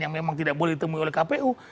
yang memang tidak boleh ditemui oleh kpu